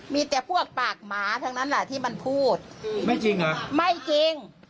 มีแต่พวกปากหมาทั้งนั้นแหละที่มันพูดไม่จริงเหรอไม่จริง